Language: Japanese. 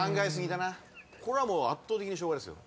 これはもう圧倒的に「しょうが」ですよ。